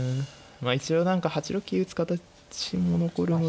まあ一応何か８六桂打つ形も残るので。